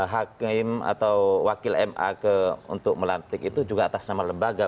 hakim atau wakil ma untuk melantik itu juga atas nama lembaga